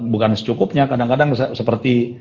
bukan secukupnya kadang kadang seperti